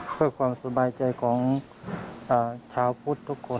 เพื่อความสบายใจของชาวพุทธทุกคน